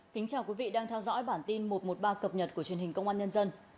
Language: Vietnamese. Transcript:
kính chào quý vị đang theo dõi bản tin một trăm một mươi ba cập nhật của truyền hình công an nhân dân